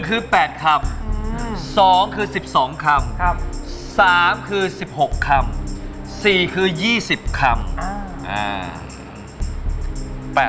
คือ๘คำ๒คือ๑๒คำ๓คือ๑๖คำ๔คือ๒๐คำ